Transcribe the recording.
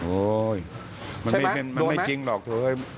โอ้ยใช่ปะโดนมั้ยมันไม่จริงหรอกถูกเห้ย